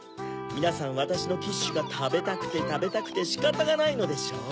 みなさんわたしのキッシュがたべたくてたべたくてしかたがないのでしょう？